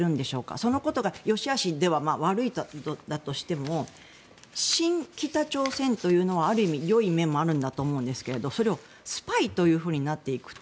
そのことがよしあしが悪いとしても親北朝鮮というのはある意味、よい面もあるんだと思うんですがそれをスパイというふうになっていくと